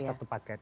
iya satu paket